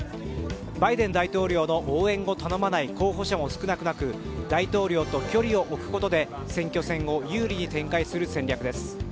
バイデン大統領の応援を頼まない候補者も少なくなく大統領と距離を置くことで選挙戦を有利に展開する戦略です。